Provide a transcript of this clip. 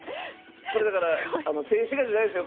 これだから静止画じゃないですよ